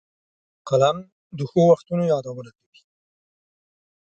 قلم د ښو وختونو یادونه کوي